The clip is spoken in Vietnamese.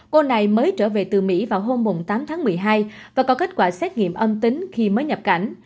cô này mới trở về từ mỹ vào hôm tám tháng một mươi hai và có kết quả xét nghiệm âm tính khi mới nhập cảnh